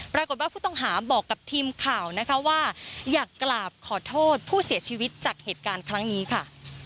ปรากฏว่าผู้ต้องหาบอกกับทีมข่าวนะคะว่าอยากกราบขอโทษผู้เสียชีวิตจากเหตุการณ์ครั้งนี้ค่ะ